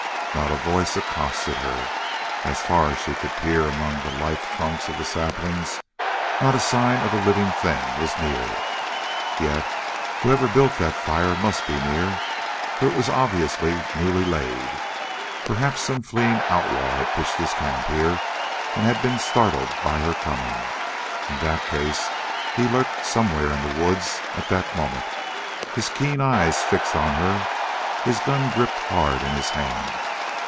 Not a voice accosted her. As far as she could peer among the lithe trunks of the saplings, not a sign of a living thing was near. Yet whoever built that fire must be near, for it was obviously newly laid. Perhaps some fleeing outlaw had pitched his camp here and had been startled by her coming. In that case he lurked somewhere in the woods at that moment, his keen eyes fixed on her, and his gun gripped hard in his hand.